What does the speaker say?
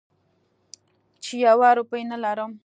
چې یوه روپۍ نه لرم.